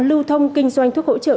lưu thông kinh doanh thuốc hỗ trợ